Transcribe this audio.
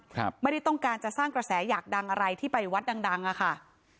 ครับไม่ได้ต้องการจะสร้างกระแสอยากดังอะไรที่ไปวัดดังดังอ่ะค่ะ